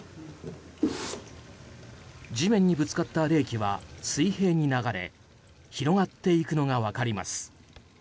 地面にぶつかった冷気は水平に流れ広がっていくのが分かります。